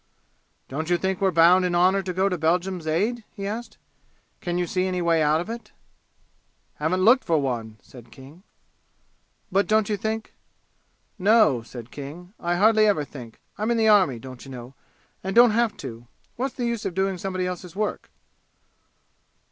"Don't you think we're bound in honor to go to Belgium's aid?" he asked. "Can you see any way out of it?" "Haven't looked for one," said King. "But don't you think " "No," said King. "I hardly ever think. I'm in the army, don't you know, and don't have to. What's the use of doing somebody else's work?"